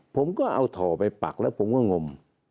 ผมก็เอาถ่อไปปักแล้วผมก็งม